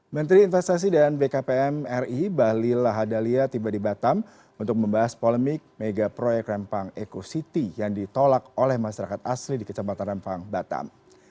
menteri investasi dan bkpm ri bahlil lahadalia tiba di batam untuk membahas polemik mega proyek rempang eco city yang ditolak oleh masyarakat asli di kecamatan rempang batam